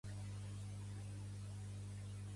Vull tenir dni català.